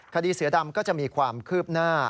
คดีเสือดำก็จะมีความคืบหน้า